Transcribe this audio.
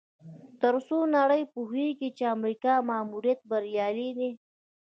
تر څو نړۍ وپوهیږي چې د امریکا ماموریت بریالی دی.